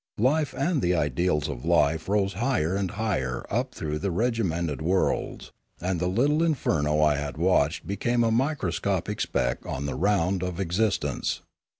Life and the ideals of life rose higher and higher up through the regimented worlds, and the little inferno I had watched became a micro scopic speck on the round of existence.